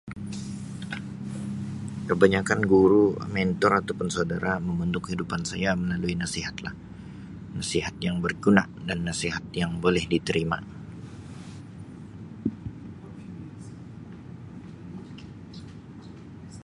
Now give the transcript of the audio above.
Kebanyakkan guru, mentor atau saudara membantu kehidupan saya melalui nasihat lah, nasihat yang berguna dan nasihat yang boleh diterima.